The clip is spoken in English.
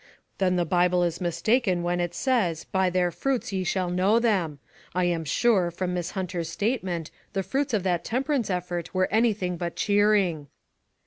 "Then the Bible is mistaken when it says, 4 By their fruits ye shall know them.' I am sure, from Miss Hunter's statement, the fruits of that temperance effort were any thing but cheering."